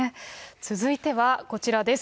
続いてはこちらです。